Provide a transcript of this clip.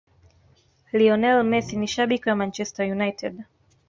Lionel Messi ni shabiki wa Manchester United